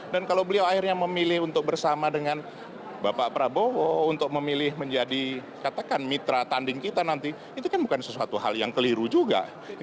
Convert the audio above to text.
dan kalau beliau akhirnya memilih untuk bersama dengan bapak prabowo untuk memilih menjadi katakan mitra tanding kita nanti itu kan bukan sesuatu hal yang keliru juga